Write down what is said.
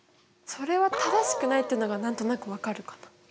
それは正しくないっていうのが何となく分かるかな。